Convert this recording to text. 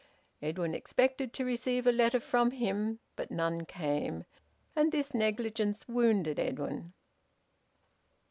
Edwin expected to receive a letter from him, but none came, and this negligence wounded Edwin.